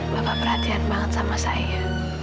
bapak perhatian banget sama saya